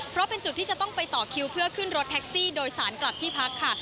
เพราะเป็นจุดที่จะต้องไปต่อคิวเพื่อขึ้นรถแท็กซี่โดยสารกลับที่พักค่ะ